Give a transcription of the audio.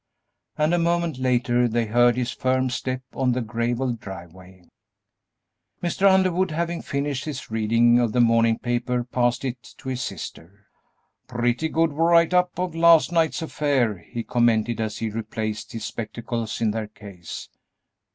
And a moment later they heard his firm step on the gravelled driveway. Mr. Underwood having finished his reading of the morning paper passed it to his sister. "Pretty good write up of last night's affair," he commented, as he replaced his spectacles in their case.